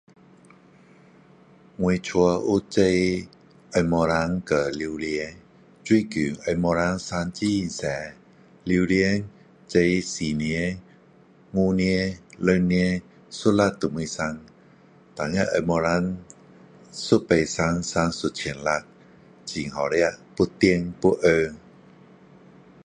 我家有种红毛丹和榴梿。最近红毛丹生很多。榴梿种四年，五年，六年，一粒都没生。但那红毛丹一次生就生一千粒，很好吃，又甜，又红。